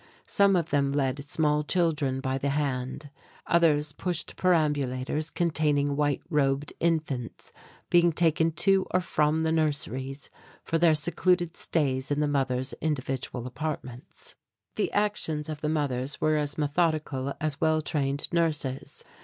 Some of them led small children by the hand; others pushed perambulators containing white robed infants being taken to or from the nurseries for their scheduled stays in the mothers' individual apartments. The actions of the mothers were as methodical as well trained nurses.